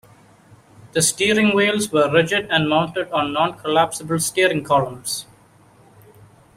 The steering wheels were rigid and mounted on non-collapsible steering columns.